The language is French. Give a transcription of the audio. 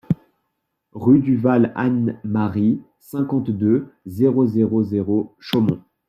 Rue du Val Anne-Marie, cinquante-deux, zéro zéro zéro Chaumont